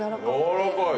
やわらかい！